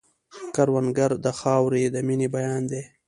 کروندګر د خاورې د مینې بیان دی